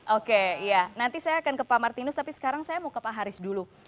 oke ya nanti saya akan ke pak martinus tapi sekarang saya mau ke pak haris dulu